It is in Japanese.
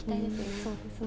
そうですね。